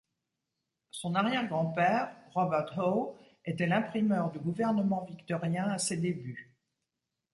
Son arrière-grand-père, Robert Howe, était l’imprimeur du gouvernement victorien à ses débuts.